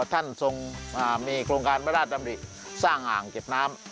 ท่านทรงมีโครงการพระราชดำริสร้างอ่างเก็บน้ำ